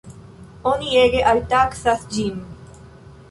Oni ege alttaksas ĝin.